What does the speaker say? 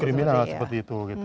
kriminal seperti itu